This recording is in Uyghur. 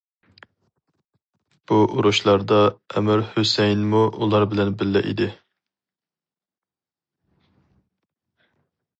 بۇ ئۇرۇشلاردا ئەمىر ھۈسەيىنمۇ ئۇلار بىلەن بىللە ئىدى.